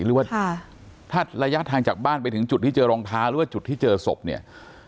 หรือว่าถ้าระยะทางจากบ้านไปถึงจุดที่เจอรองเท้าหรือว่าจุดที่เจอศพเนี่ย